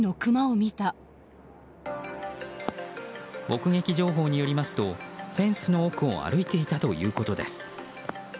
目撃情報によりますとフェンスの奥を歩いていたということです。